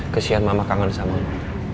kesian mama kangen sama